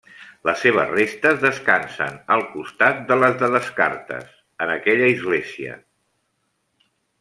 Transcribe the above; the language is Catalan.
Les seves restes descansen al costat de les de Descartes en aquella església.